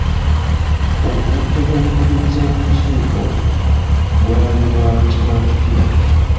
Obulwadde bw'omukubiriza w'olukiiko bwali bwa kibwatukira.